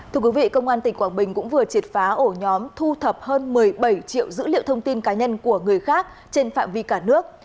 thưa quý vị công an tỉnh quảng bình cũng vừa triệt phá ổ nhóm thu thập hơn một mươi bảy triệu dữ liệu thông tin cá nhân của người khác trên phạm vi cả nước